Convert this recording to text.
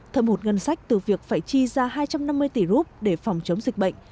thợ hụt ngân sách từ việc phải chi ra hai trăm năm mươi tỷ rup để phòng chống dịch bệnh